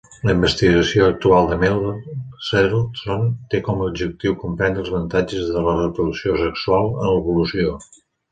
La investigació actual de Meselson té com a objectiu comprendre els avantatges de la reproducció sexual en l'evolució.